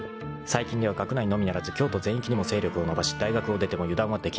［最近では学内のみならず京都全域にも勢力を伸ばし大学を出ても油断はできない］